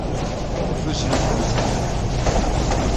Tuznem-tent?